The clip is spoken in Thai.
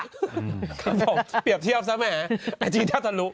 ครับผมเปรียบเทียบซะแหมไอจีแทบทะลุ